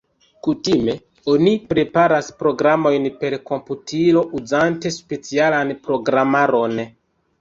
Kutime oni preparas programojn per komputilo uzante specialan programaron.